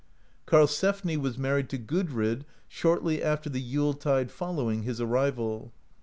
Karlsefni was mar ried to Gudrid shortly after the Yule tide following his arrival.